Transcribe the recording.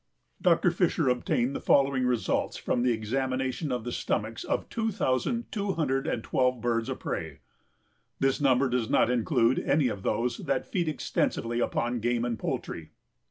Dr. Fisher obtained the following results from the examination of the stomachs of two thousand, two hundred and twelve birds of prey. This number does not include any of those that feed extensively upon game and poultry.